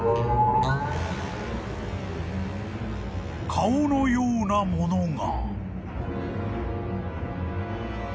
［顔のようなものが］